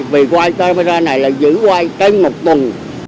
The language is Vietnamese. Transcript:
vì quay camera này là giữ quay cái một tuần